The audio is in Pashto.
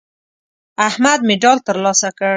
احمد مډال ترلاسه کړ.